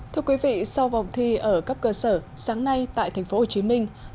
thưa quý vị sau vòng thi ở các cơ sở sáng nay tại tp hcm